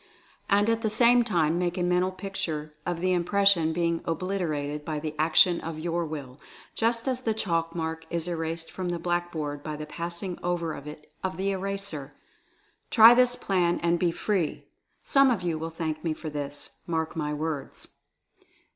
And at the same time make a Mental Picture of the Impression being obliterated by the action of your Will, just as the chalk mark is erased from the blackboard by the passing over it of the eraser. Try this plan and be Free ! Some of you will thank me for this, mark my words.